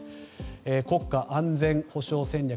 国家安全保障戦略